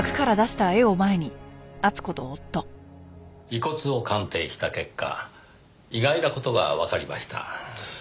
遺骨を鑑定した結果意外な事がわかりました。